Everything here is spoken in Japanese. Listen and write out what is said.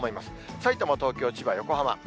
さいたま、東京、千葉、横浜。